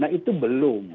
nah itu belum